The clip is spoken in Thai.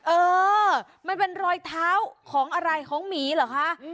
เออมันเป็นรอยเท้าของอะไรของหมีเหรอคะ